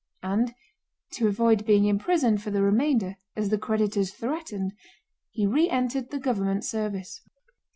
And to avoid being imprisoned for the remainder, as the creditors threatened, he re entered the government service.